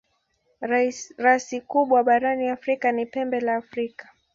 Rasi kubwa barani Afrika ni Pembe la Afrika.